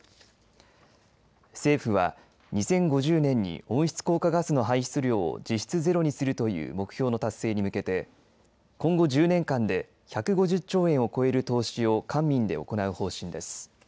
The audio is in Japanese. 政府は２０５０年に温室効果ガスの排出量を実質ゼロにするという目標の達成に向けて今後１０年間で１５０兆円を超える投資を官民で行う方針です。